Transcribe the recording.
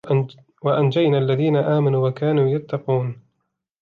وَأَنْجَيْنَا الَّذِينَ آمَنُوا وَكَانُوا يَتَّقُونَ